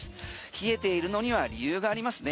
冷えているのには理由がありますね。